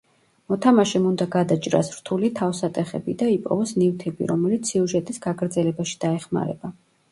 მოთამაშემ უნდა გადაჭრას რთული თავსატეხები და იპოვოს ნივთები, რომელიც სიუჟეტის გაგრძელებაში დაეხმარება.